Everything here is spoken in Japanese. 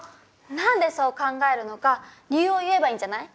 何でそう考えるのか理由を言えばいいんじゃない？